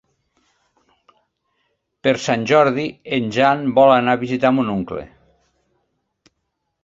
Per Sant Jordi en Jan vol anar a visitar mon oncle.